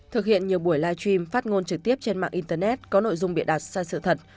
thực hiện nhiều buổi live stream phát ngôn trực tiếp trên mạng internet có nội dung bịa đặt sai sự thật